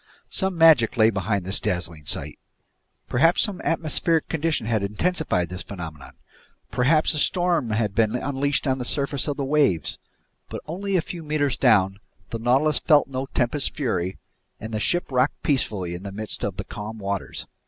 Some magic lay behind this dazzling sight! Perhaps some atmospheric condition had intensified this phenomenon? Perhaps a storm had been unleashed on the surface of the waves? But only a few meters down, the Nautilus felt no tempest's fury, and the ship rocked peacefully in the midst of the calm waters.